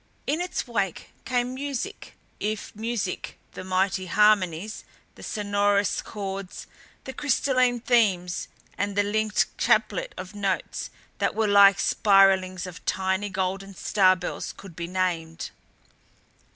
In its wake came music if music the mighty harmonies, the sonorous chords, the crystalline themes and the linked chaplet of notes that were like spiralings of tiny golden star bells could be named.